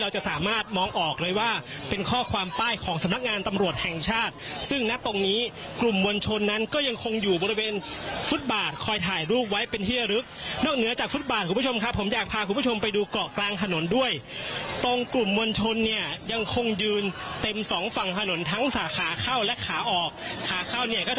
จะสามารถมองออกเลยว่าเป็นข้อความป้ายของสำนักงานตำรวจแห่งชาติซึ่งณตรงนี้กลุ่มมวลชนนั้นก็ยังคงอยู่บริเวณฟุตบาทคอยถ่ายรูปไว้เป็นที่ระลึกนอกเหนือจากฟุตบาทคุณผู้ชมครับผมอยากพาคุณผู้ชมไปดูเกาะกลางถนนด้วยตรงกลุ่มมวลชนเนี่ยยังคงยืนเต็มสองฝั่งถนนทั้งสาขาเข้าและขาออกขาเข้าเนี่ยก็จะ